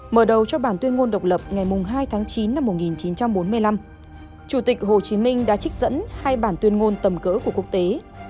mở đầu cho bản tuyên ngôn độc lập ngày hai tháng chín năm một nghìn chín trăm bốn mươi năm chủ tịch hồ chí minh đã trích dẫn hai bản tuyên ngôn tầm cỡ của quốc tế